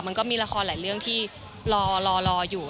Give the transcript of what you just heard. มันก็มีละครหลายเรื่องที่รออยู่